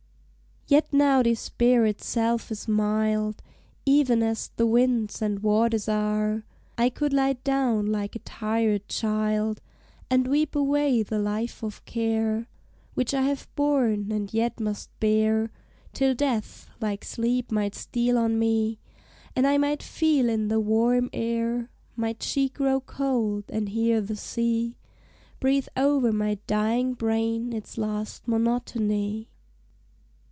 Yet now despair itself is mild Even as the winds and waters are; I could lie down like a tired child, And weep away the life of care Which I have borne, and yet must bear, Till death like sleep might steal on me, And I might feel in the warm air My cheek grow cold, and hear the sea Breathe o'er my dying brain its last monotony.